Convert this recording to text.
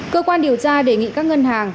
cơ quan điều tra đề nghị các ngân hàng